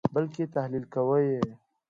بلکې تحلیل کوئ یې.